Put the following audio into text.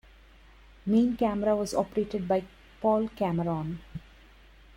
Main camera was operated by Paul Cameron.